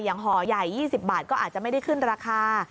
ห่อใหญ่๒๐บาทก็อาจจะไม่ได้ขึ้นราคา